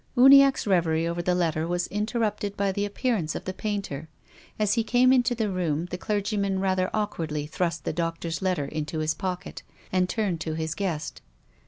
Uniacke's reverie over the letter was interrupted by the appearance of the painter. As he came into the room, the clergyman rather awkwardly thrust the doctor's letter into his pocket and turned to his guest.